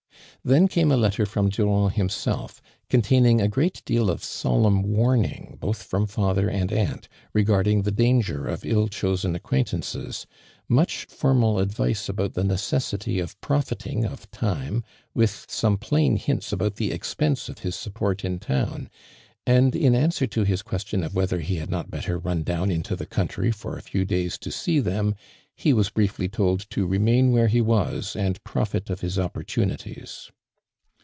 Then came a letter from Durand himself, containing a great deal of aolemn warning both from father and aunt, regarding the danger of ill chosen acquain tslnces — much formal advice about the necessity of profiting of time, with some plain hints about the expense of his support in town J and in answer to his question of whether he had not better run down into the country for a few days to see them he was briefly told to remain where he was •and profit of his opportunities.